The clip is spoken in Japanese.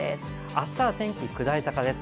明日は天気、下り坂です。